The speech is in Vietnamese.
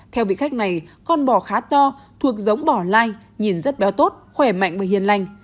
theo vị khách này con bò khá to thuộc giống bỏ lai nhìn rất béo tốt khỏe mạnh bởi hiền lành